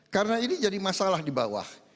karena ini jadi masalah di bawah